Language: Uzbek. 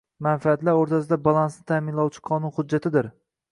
manfaatlari o‘rtasida balansni ta’minlovchi qonun hujjatidir.